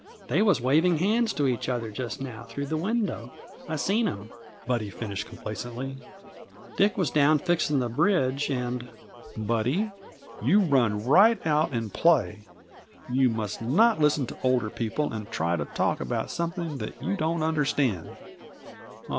"They was waving hands to each other just now, through the window. I seen 'em," Buddy finished complacently. "Dick was down fixing the bridge, and " "Buddy, you run right out and play! You must not listen to older people and try to talk about some thing you don't understand."